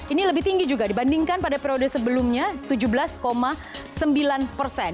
ini lebih tinggi juga dibandingkan pada periode sebelumnya tujuh belas sembilan persen